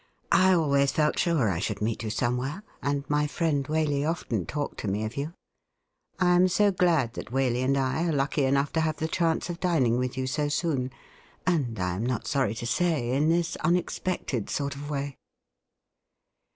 ' I always felt sure I should meet you somewhere, and my friend Waley often talked to me of you. I am so glad that Waley and I are lucky enough to have the chance of dining with you so soon, and I am not sorry to say in this unexpected sort of way.'